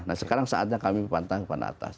nah sekarang saatnya kami pantas ke papan atas